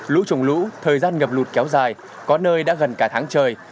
lũ trồng lũ thời gian ngập lụt kéo dài có nơi đã gần cả tháng trời